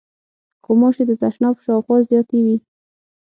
غوماشې د تشناب شاوخوا زیاتې وي.